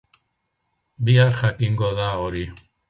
Bihar jakingo da hori.